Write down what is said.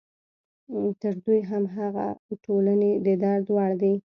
تر دوی هم هغه ټولنې د درد وړ دي.